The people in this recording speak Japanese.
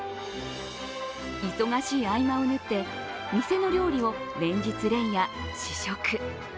忙しい合間を縫って、店の料理を連日連夜試食。